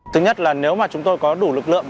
thứ nhất là nếu mà chúng tôi có đủ lực lượng